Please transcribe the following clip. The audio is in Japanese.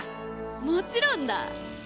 もちろんだ！